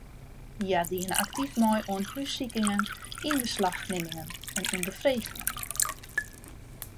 Hja diene aktyf mei oan hússikingen, ynbeslachnimmingen en ûnderfregingen.